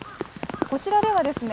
こちらではですね